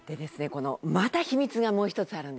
このまた秘密がもう一つあるんです。